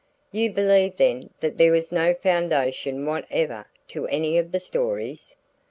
"You believe then that there was no foundation whatever to any of the stories?"